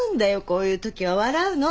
こういうときは笑うの。